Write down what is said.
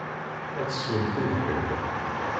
Ad tesswem tibḥirt.